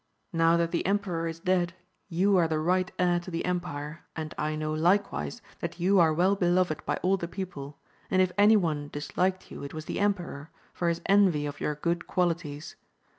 Now that the emperor is dead, you are the right heir to the empire, and I know likewise, that you are well beloved by all the people, and if any one dis liked you it was the emperor, for his envy of your good qualities.